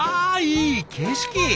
いい景色！